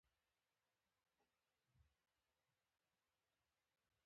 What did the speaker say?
پیاز سره غوړي ډېر ښه خوري